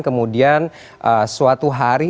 kemudian suatu hari